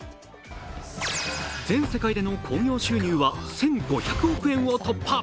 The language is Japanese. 全世界での興行収入１５００億円を突破。